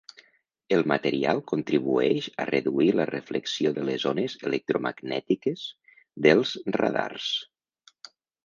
El material contribueix a reduir la reflexió de les ones electromagnètiques dels radars.